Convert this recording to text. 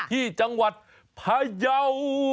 ที่จังหวัดพยาว